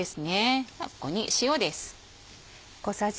ここに塩です。